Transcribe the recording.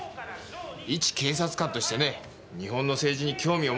一警察官としてね日本の政治に興味を持ってるんだよ。